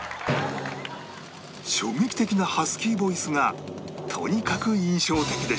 衝撃的なハスキーボイスがとにかく印象的でした